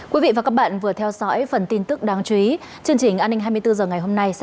quý vị và các bạn vừa theo dõi phần tin tức đáng chú ý chương trình an ninh hai mươi bốn h ngày hôm nay